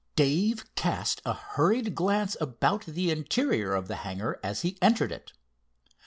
Dave cast a hurried glance about the interior of the hangar as he entered it.